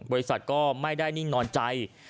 บริษัทก็ไม่ได้นิ่งนอนใจ